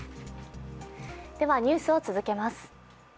ニュースを続けます。